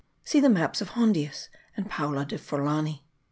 See the maps of Hondius, and Paulo de Forlani.